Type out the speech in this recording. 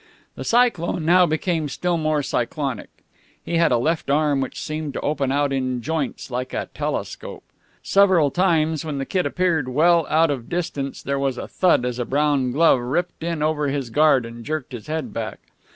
The Cyclone now became still more cyclonic. He had a left arm which seemed to open out in joints like a telescope. Several times when the Kid appeared well out of distance there was a thud as a brown glove ripped in over his guard and jerked his head back.